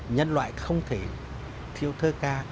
nhân loại không thể thiếu thơ ca